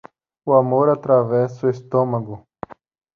O amor atravessa o estômago.